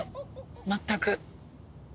全く。